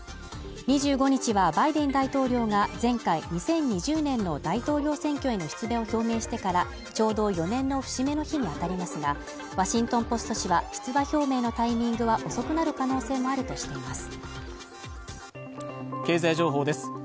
２５日はバイデン大統領が前回２０２０年の大統領選挙への出馬を表明してからちょうど４年の節目の日に当たりますが、「ワシントン・ポスト」紙は出馬表明のタイミングは遅くなる可能性もあるとしています。